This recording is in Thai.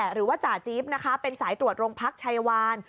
หรือว่าจ่าจี๊บนะคะเป็นสายตรวจโรงพักชัยวาน